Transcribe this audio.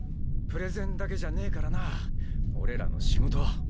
プレゼンだけじゃねえからな俺らの仕事は。